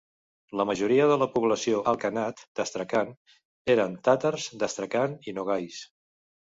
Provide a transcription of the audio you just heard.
La majoria de la població al khanat d'Àstrakhan eren tàtars d'Àstrakhan i nogais.